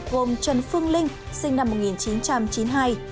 gồm trần phương linh sinh năm một nghìn chín trăm chín mươi hai